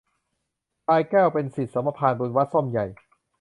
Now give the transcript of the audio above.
พลายแก้วเป็นศิษย์สมภารบุญ วัดส้มใหญ่